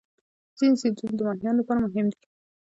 ځینې سیندونه د ماهیانو لپاره مهم دي.